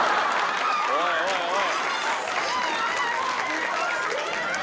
・おいおいおい！